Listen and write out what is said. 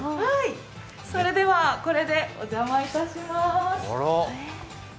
それではこれでお邪魔いたします。